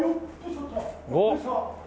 おっ。